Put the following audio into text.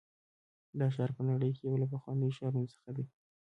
دا ښار په نړۍ کې یو له پخوانیو ښارونو څخه دی.